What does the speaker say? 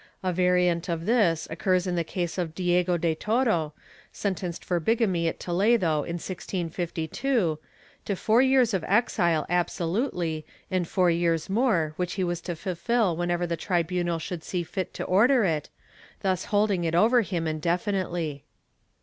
A var iant of this occurs in the case of Diego de Toro, sentenced for bigamy at Toledo in 1652, to four years of exile absolutely and four years more which he was to fulfil whenever the tribunal should see fit to order it, thus holding it over him indefinitely.